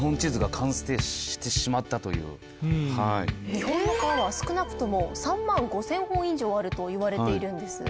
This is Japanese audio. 日本の川は少なくとも３万５０００本以上あるといわれているんです。